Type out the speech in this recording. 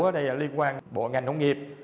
đây là liên quan bộ ngành nông nghiệp